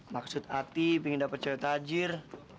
maksud hati pingin dapet cewek tajir